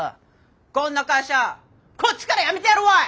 こんな会社こっちから辞めてやるわい！